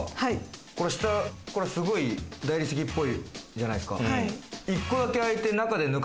すごい大理石っぽいじゃないですか。